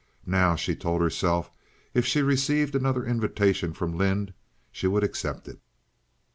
Now, she told herself, if she received another invitation from Lynde she would accept it.